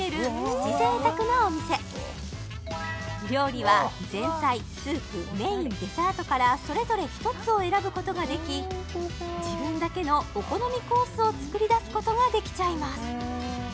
プチ贅沢なお店料理は前菜スープメインデザートからそれぞれ１つを選ぶことができ自分だけのお好みコースを作り出すことができちゃいます